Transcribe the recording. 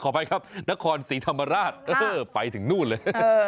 ขอบใจครับนครสีธรรมราชไปถึงนู่นเลย